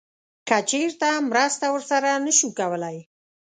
که چیرته مرسته ورسره نه شو کولی